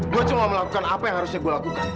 gue cuma melakukan apa yang harusnya gue lakukan